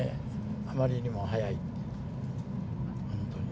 あまりにも早い、本当に。